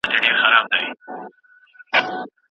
زه به اوږده موده د کورنۍ سره مرسته کړې وم.